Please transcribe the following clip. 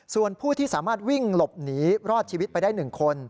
ส่วนผู้ที่สามารถวิ่งหลบหนีรอดชีวิตไปได้๑คน